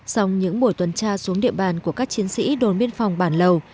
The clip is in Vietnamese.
xong những buổi tuần tra xuống địa bàn của các chiến sĩ đồn biên phòng bản lầu